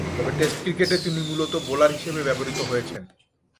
তবে, টেস্ট ক্রিকেটে তিনি মূলতঃ বোলার হিসেবে ব্যবহৃত হয়েছেন।